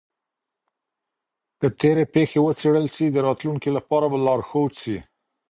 که تېري پېښې وڅېړل سي د راتلونکي لپاره به لارښود سي.